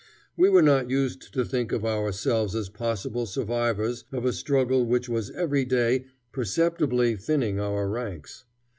We were not used to think of ourselves as possible survivors of a struggle which was every day perceptibly thinning our ranks.